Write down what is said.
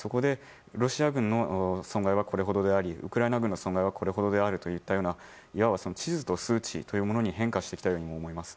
ロシア軍の損害はこれほどでありウクライナ軍の損害はこれほどであるといったような地図と数値に変化していった気がします。